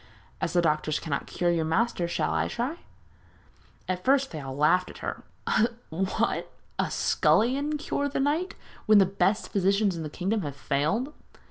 As the doctors cannot cure your master shall I try?' At first they all laughed at her. 'What! a scullion cure the knight when the best physicians in the kingdom have failed?'